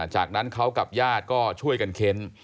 จากนั้นเขากับญาติก็ช่วยกันเค้น